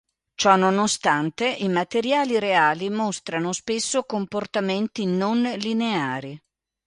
Ciononostante, i materiali reali mostrano spesso comportamenti non-lineari.